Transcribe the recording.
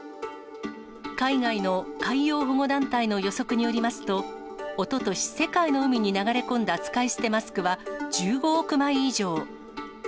海外の海洋保護団体の予測によりますと、おととし世界の海に流れ込んだ使い捨てマスクは１５億枚以上。